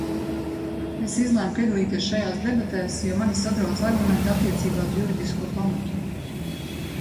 Es izlēmu piedalīties šajās debatēs, jo mani satrauca argumenti attiecībā uz juridisko pamatu.